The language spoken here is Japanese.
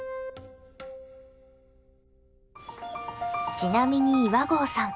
ちなみに岩合さん